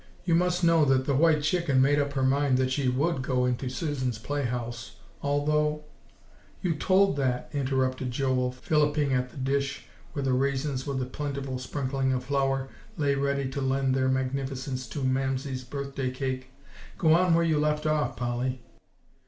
"You must know that the white chicken made up her mind that she would go into Susan's playhouse, although" "You told that," interrupted Joel, filliping at the dish where the raisins, with a plentiful sprinkling of flour, lay ready to lend their magnificence to Mamsie's birthday cake; "go on where you left off, Polly."